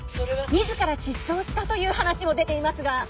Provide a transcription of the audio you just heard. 自ら失踪したという話も出ていますが？